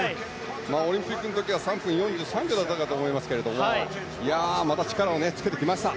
オリンピックの時は３分４３秒だったと思いますけどまた力をつけてきました。